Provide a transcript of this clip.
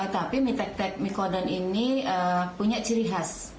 tapi mie tek tek mikodon ini punya ciri khas